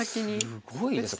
すごいですね。